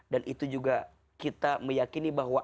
dan itu juga kita meyakini bahwa